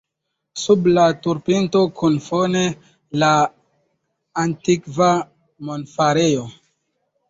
Sub la turpinto kun fone la antikva monfarejo.